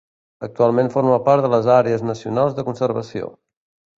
Actualment forma part de les àrees nacionals de conservació.